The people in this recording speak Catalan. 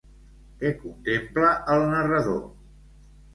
Què contempla el narrador?